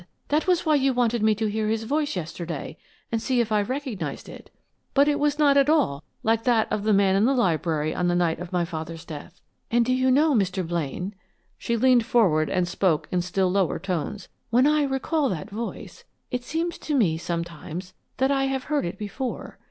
That was why you wanted me to hear his voice yesterday and see if I recognized it. But it was not at all like that of the man in the library on the night of my father's death. And do you know, Mr. Blaine" she leaned forward and spoke in still lower tones "when I recall that voice, it seems to me, sometimes, that I have heard it before.